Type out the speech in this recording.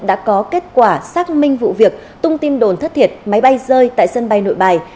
đã có kết quả xác minh vụ việc tung tin đồn thất thiệt máy bay rơi tại sân bay nội bài